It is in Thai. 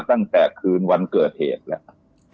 ตั้งแต่คืนวันเกิดเหตุแล้ว